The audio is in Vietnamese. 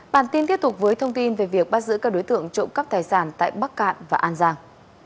bản tin tiếp tục với thông tin về việc bắt giữ các đối tượng trộm cắp tài sản tại bắc cạn và an giang